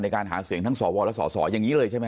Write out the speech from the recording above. การหาเสียงทั้งสวและสสอย่างนี้เลยใช่ไหม